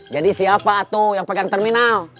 jadi siapa tuh yang pegang terminal